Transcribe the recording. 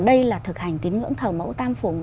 đây là thực hành tín ngưỡng thờ mẫu tam phủ